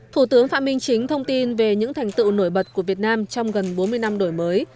thủ tướng phạm minh chính thông tin về những thành tựu nổi bật của việt nam trong gần bốn mươi năm đổi mới